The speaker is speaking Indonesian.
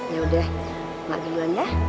yaudah mak ngilang ya